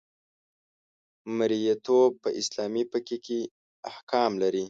مرییتوب په اسلامي فقه کې احکام لري.